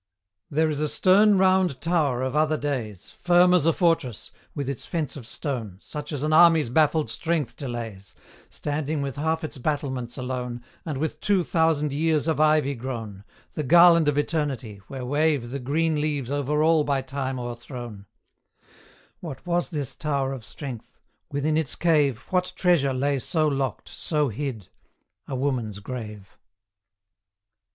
There is a stern round tower of other days, Firm as a fortress, with its fence of stone, Such as an army's baffled strength delays, Standing with half its battlements alone, And with two thousand years of ivy grown, The garland of eternity, where wave The green leaves over all by time o'erthrown: What was this tower of strength? within its cave What treasure lay so locked, so hid? A woman's grave.